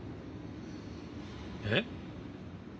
えっ？